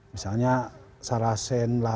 misalnya sarasen lah